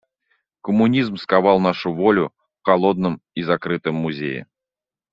Коммунизм сковал нашу волю в холодном и закрытом музее.